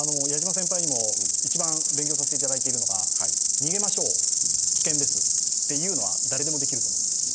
矢島先輩にも一番勉強させて頂いているのが「逃げましょう危険です」って言うのは誰でもできると思うんです。